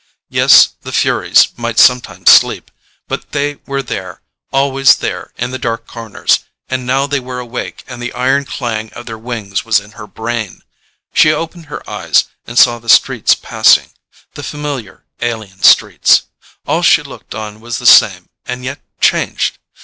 Yes, the Furies might sometimes sleep, but they were there, always there in the dark corners, and now they were awake and the iron clang of their wings was in her brain.... She opened her eyes and saw the streets passing—the familiar alien streets. All she looked on was the same and yet changed.